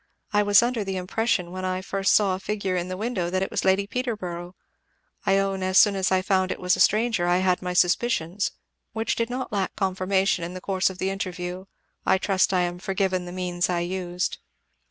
"I was under the impression when I first saw a figure in the window that it was Lady Peterborough. I own as soon as I found it was a stranger I had my suspicions which did not lack confirmation in the course of the interview I trust I am forgiven the means I used."